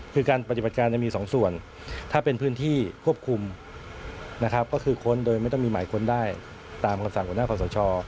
คือการปฏิบัติการมีสองส่วนถ้าเป็นพื้นที่ควบคุมนะครับก็คือค้นโดยไม่ต้องมีหมายค้นได้ตามคำสั่งหัวหน้าขอสช